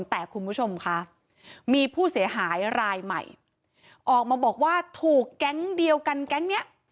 แต่คุณผู้ชมคะมีผู้เสียหายรายใหม่ออกมาบอกว่าถูกแก๊งเดียวกันแก๊งเนี้ย